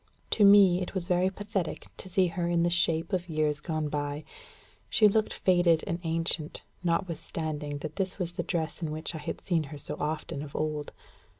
To me, it was very pathetic to see her in the shapes of years gone by. She looked faded and ancient, notwithstanding that this was the dress in which I had seen her so often of old.